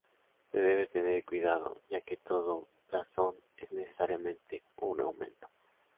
Se debe tener cuidado ya que no todo blasón es necesariamente un aumento.